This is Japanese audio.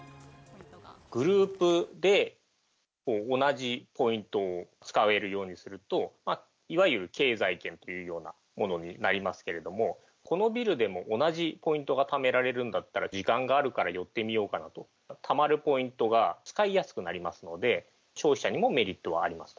グループで同じポイントを使えるようにすると、いわゆる経済圏というようなものになりますけれども、このビルでも同じポイントがためられるんだったら、時間があるから寄ってみようかなと、たまるポイントが使いやすくなりますので、消費者にもメリットがあります。